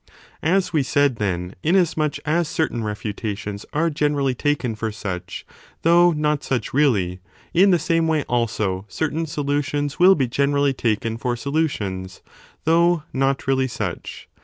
As we said, 3 then, inasmuch as certain refutations are ao generally taken for such, though not such really, in the same way also certain solutions will be generally taken for solutions, though not really such.